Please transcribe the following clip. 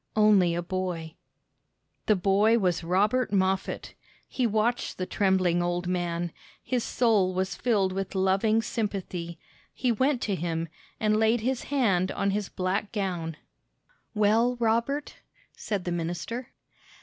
"Only a boy." The boy was Robert Moffat. He watched the trembling old man. His soul was filled with loving sympathy. He went to him, and laid his hand on his black gown. "Well, Robert?" said the minister.